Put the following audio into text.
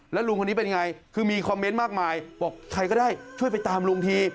แล้วลุงคนนี้เป็นไงคือมีคอมเมนต์มากมายบอกใครก็ได้ช่วยไปตามลุงที